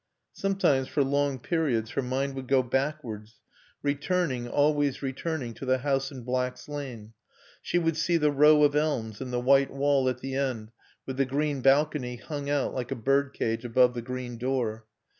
Sometimes, for long periods, her mind would go backwards, returning, always returning, to the house in Black's Lane. She would see the row of elms and the white wall at the end with the green balcony hung out like a birdcage above the green door.